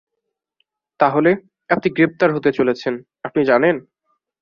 তাহলে, আপনি গ্রেপ্তার হতে চলেছেন, আপনি জানেন?